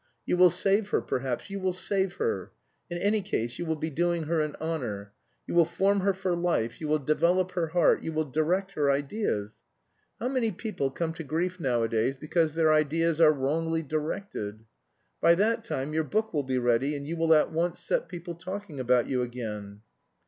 You will save her perhaps, you will save her! In any case you will be doing her an honour. You will form her for life, you will develop her heart, you will direct her ideas. How many people come to grief nowadays because their ideas are wrongly directed. By that time your book will be ready, and you will at once set people talking about you again."